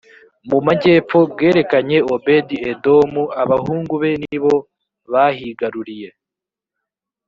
mu majyepfo bwerekanye obedi edomu abahungu be ni bo bahigaruriye